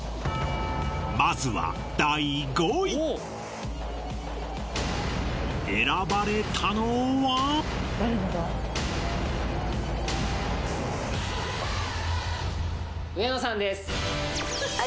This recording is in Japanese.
まずは選ばれたのは上野さんですはい